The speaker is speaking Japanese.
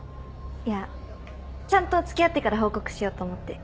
いやちゃんと付き合ってから報告しようと思って。